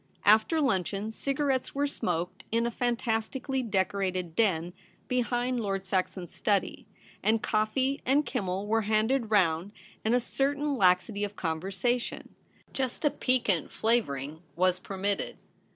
After luncheon, cigarettes were smoked In a fantastically decorated den behind Lord Saxon's study, and coffee and kiimmel were handed round, and a certain laxity of conversation — just a piquant flavour ing — was permitted.